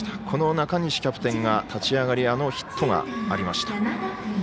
この中西キャプテンが立ち上がり、ヒットがありました。